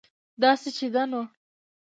داسې چې ده نو